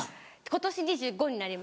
今年２５になります。